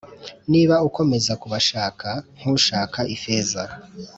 niba ukomeza kubushaka nk ushaka ifeza